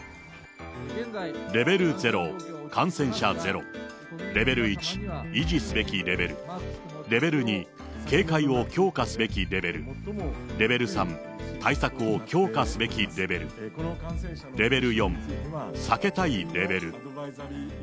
レベル０感染者ゼロ、レベル１維持すべきレベル、レベル２警戒を強化すべきレベル、レベル３対策を強化すべきレベル、レベル４避けたいレベル。